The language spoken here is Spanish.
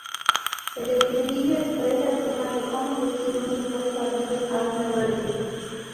El estribillo expresa el tema de como decir un supuesto adiós a un amante.